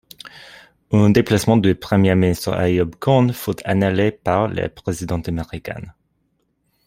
Un déplacement du premier ministre Ayub Khan fut annulé par le président américain.